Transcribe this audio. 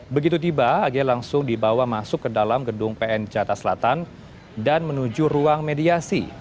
begitu tiba ag langsung dibawa masuk ke dalam gedung pn jatah selatan dan menuju ruang mediasi